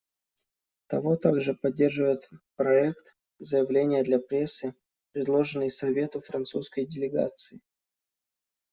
Того также поддерживает проект заявления для прессы, предложенный Совету французской делегацией.